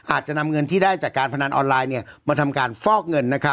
อาจจะนำเงินที่ได้จากการพนันออนไลน์มาทำการฟอกเงิน